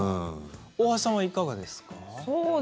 大橋さんはいかがですか。